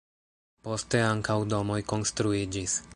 Poste ankaŭ domoj konstruiĝis.